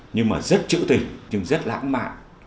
nhưng mà rất trữ tình nhưng rất lãng mạn